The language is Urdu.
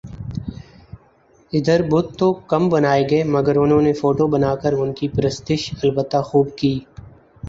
ادھر بت تو کم بنائےگئے مگر انہوں نے فوٹو بنا کر انکی پرستش البتہ خو ب کی